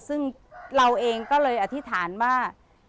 ซึ่งเราเองก็เลยอธิษฐานว่า